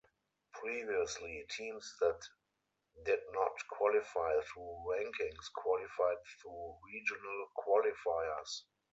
Previously, teams that did not qualify through rankings qualified through regional qualifiers.